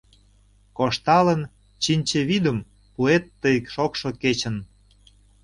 Кошталын, чинче вӱдым Пуэт тый шокшо кечын.